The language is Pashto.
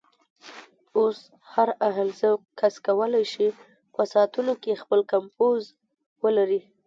اوس هر اهل ذوق کس کولی شي په ساعتونو کې خپل کمپوز ولري.